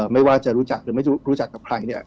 ไม่ว่าจะรู้จักหรือไม่รู้จักกับใครเนี่ย